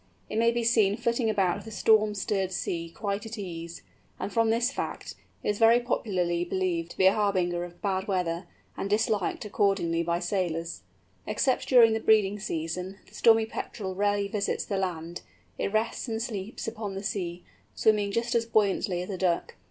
It may be seen flitting about the storm stirred sea quite at its ease; and from this fact, it is very popularly believed to be a harbinger of bad weather, and disliked accordingly by sailors. Except during the breeding season, the Stormy Petrel rarely visits the land; it rests and sleeps upon the sea, swimming just as buoyantly as a Duck.